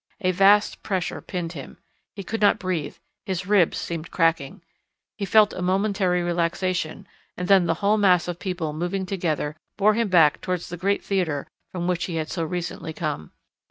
A vast pressure pinned him. He could not breathe, his ribs seemed cracking. He felt a momentary relaxation, and then the whole mass of people moving together, bore him back towards the great theatre from which he had so recently come.